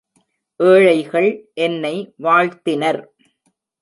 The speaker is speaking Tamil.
ஏழைகள் என்னை வாழ்த்தினர்.